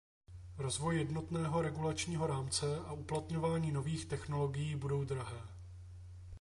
Rozvoj jednotného regulačního rámce a uplatňování nových technologií budou drahé.